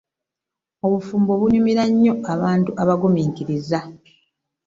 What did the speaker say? Obufumbo bunyumira nnyo abantu abagumunkiriza.